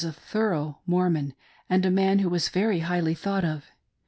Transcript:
159 a thorough Mormon, and a man who was very highly thought of.